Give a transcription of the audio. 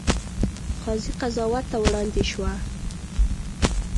قاضي قضات ته وړاندې شوه.